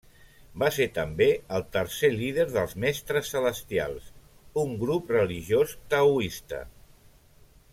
Va ser també el tercer líder dels Mestres celestials, un grup religiós taoista.